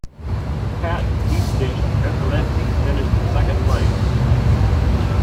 Pat "Deep Dish" Bertoletti finished in second place.